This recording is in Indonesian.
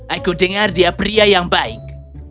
aku dengar dia pria yang baik